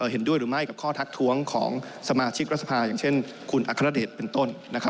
เห็นด้วยหรือไม่กับข้อทักท้วงของสมาชิกรัฐสภาอย่างเช่นคุณอัครเดชเป็นต้นนะครับ